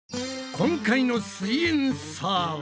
今回の「すイエんサー」は？